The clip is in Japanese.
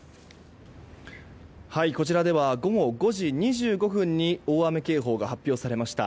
こちらでは午後５時２５分に大雨警報が発表されました。